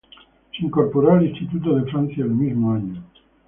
Se incorporó al Instituto de Francia el mismo año.